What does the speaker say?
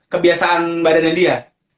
kebiasaan badannya dia